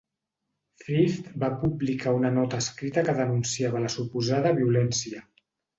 Thrift va publicar una nota escrita que denunciava la suposada violència.